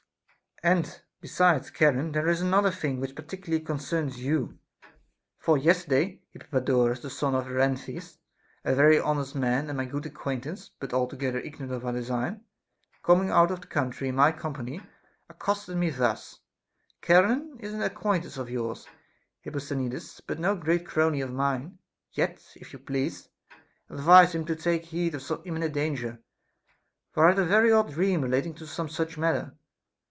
And besides, Charon, there is another thing which particularly concerns you ; for yesterday Hypatodorus, the son of Erianthes, a very honest man and my good acquaintance, but altogether ignorant of our design, coming out of the country in my company, accosted me thus : Charon is an acquaintance of yours, Hipposthenides, but no great crony of mine ; yet, if you please, advise him to take heed of some immi nent danger, for I had a very odd dream relating to some such matter.